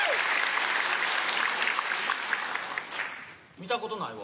見たことないわ。